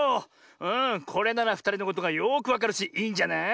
うんこれならふたりのことがよくわかるしいいんじゃない？